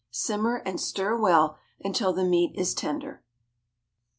Simmer and stir well until the meat is tender.